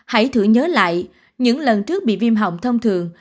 hãy thử nhớ lại những lần trước bị viêm hỏng thông thường